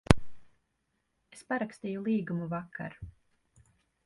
Es parakstīju līgumu vakar.